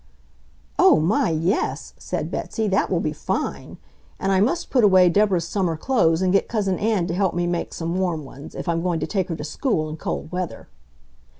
"Oh, my, yes!" said Betsy, "that will be fine! And I must put away Deborah's summer clothes and get Cousin Ann to help me make some warm ones, if I'm going to take her to school in cold weather."